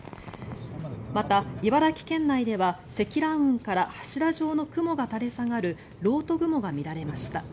また、茨城県内では積乱雲から柱状の雲が垂れ下がる漏斗雲が見られました。